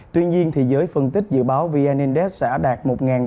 tuy nhiên thì giới phân tích dự báo vn index sẽ đạt một ba trăm linh